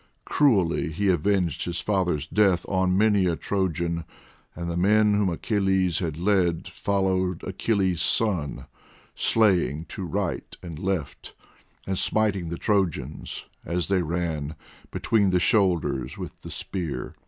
Cruelly he avenged his father's death on many a Trojan, and the men whom Achilles had led followed Achilles' son, slaying to right and left, and smiting the Trojans, as they ran, between the shoulders with the spear.